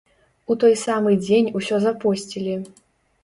У той самы дзень усё запосцілі!